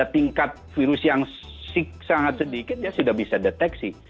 tingkat virus yang sik sangat sedikit dia sudah bisa deteksi